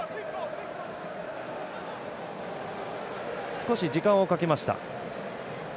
少し時間をかけました。